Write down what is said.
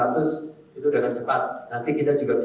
nanti kita juga bisa lakukan itu dengan fast payment di negara lain